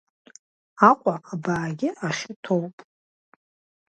Аҟәа абаагьы ахьы ҭоуп.